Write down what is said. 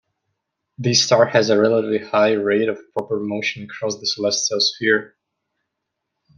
This star has a relatively high rate of proper motion across the celestial sphere.